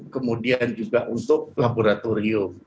kemudian juga untuk laboratorium